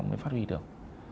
mới phát huy được